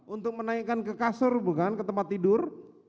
untuk menaikkan ke kasur bukan ketempat tidur